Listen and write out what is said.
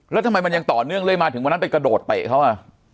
แล้วทำไมมันยังต่อเนื่องเลยมาถึงวันนั้นไปกระโดดเตะเขาอ่ะ